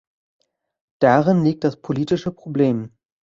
Darin liegt das politische Problem.